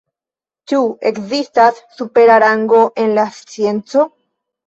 Ĉu ekzistas supera rango en la scienco?